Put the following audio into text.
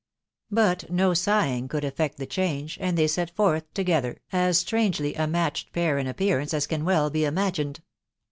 But no sighing could effect the change, and they set forth together, as strangely a matched pair in appearance as can well be imagined.